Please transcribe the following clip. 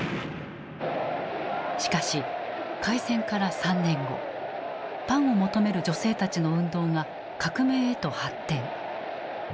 しかし開戦から３年後パンを求める女性たちの運動が革命へと発展。